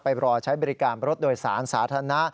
รอใช้บริการรถโดยสารสาธารณะ